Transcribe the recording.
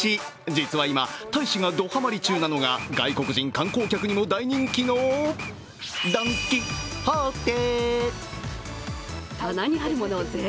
実は今、大使がどハマり中なのが外国人観光客にも大人気のドン・キホーテ！